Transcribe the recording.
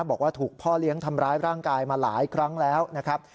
บอกว่าถูกพ่อเลี้ยงทำร้ายร่างกายมาหลายครั้งแล้วนะครับ